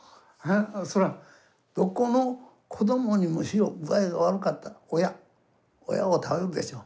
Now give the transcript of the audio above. そりゃあどこの子どもに具合が悪かったら親親を頼るでしょ。